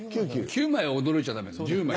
９枚驚いちゃダメ１０枚。